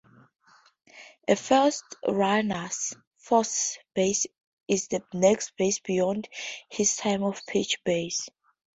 A forced runner's force base is the next base beyond his time-of-pitch base.